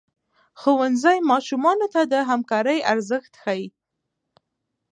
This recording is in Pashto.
ښوونځی ماشومانو ته د همکارۍ ارزښت ښيي.